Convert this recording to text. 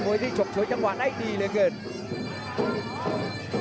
พยายามจะตีจิ๊กเข้าที่ประเภทหน้าขาครับ